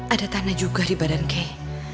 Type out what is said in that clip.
ada tanah juga di badan key